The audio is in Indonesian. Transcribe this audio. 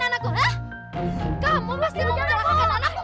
saya sudah jatuh sendirian dari segi makasih